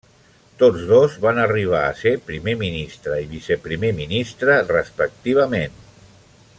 Tots dos van arribar a ser Primer Ministre i Viceprimer Ministre, respectivament.